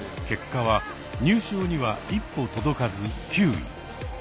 結果は入賞には一歩届かず９位。